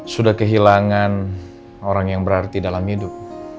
sudah kehilangan orang yang berarti dalam hidup